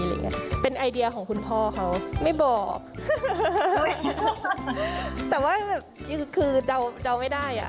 อย่างเงี้ยเป็นไอเดียของคุณพ่อเขาไม่บอกแต่ว่าแบบจริงคือเดาไม่ได้อ่ะ